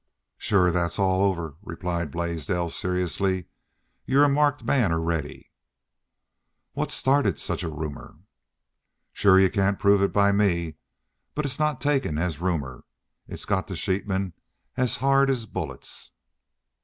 "Shore that's all over," replied Blaisdell, seriously. "You're a marked man already." "What started such rumor?" "Shore you cain't prove it by me. But it's not taken as rumor. It's got to the sheepmen as hard as bullets."